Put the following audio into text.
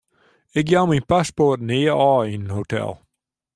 Ik jou myn paspoart nea ôf yn in hotel.